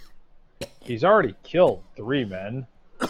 He's already killed three men.